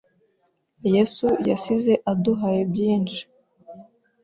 Yesu yasize aduhaye byinshi